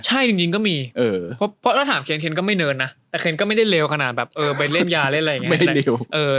ใช่จริงก็มีเพราะถ้าถามเคนเคนก็ไม่เนินนะแต่เคนก็ไม่ได้เลวขนาดไปเล่มยาอะไรแบบนี้